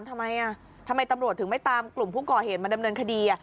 ทำไมทำไมตำรวจถึงไม่ตามกลุ่มผู้ก่อเหตุมาดำเนินคดี